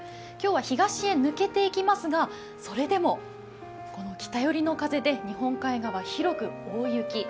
今日は東へ抜けていきますが、それでも北寄りの風で日本海側、広く大雪。